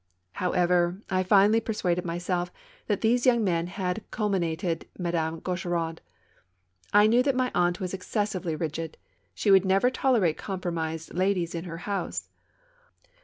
Ilowever, I finally persuaded myself that those young men had calumniated Madame Gaucheraud. I knew that my aunt was excessively rigid; she would never tolerate compromised ladies in lier house.